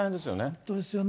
本当ですよね。